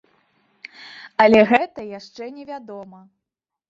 Але гэта яшчэ не вядома.